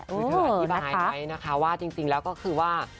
คือเธออธิบายไว้นะคะว่าจริงแล้วก็คือว่า